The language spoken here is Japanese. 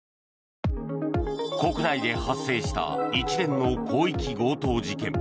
国内で発生した一連の広域強盗事件。